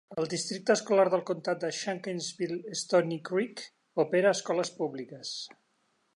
El Districte Escolar del Comtat de Shanksville-Stonycreek opera escoles públiques.